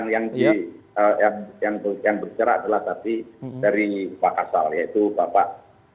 yang bercerak adalah tadi dari pak kasar yaitu bapak